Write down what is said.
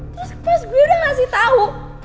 terus pas gue udah ngasih tau